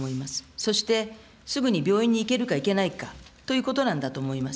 そして、すぐに病院に行けるか行けないかということなんだと思います。